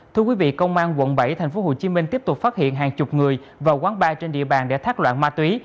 thưa quý vị công an quận bảy tp hcm tiếp tục phát hiện hàng chục người vào quán bar trên địa bàn để thoát loạn ma túy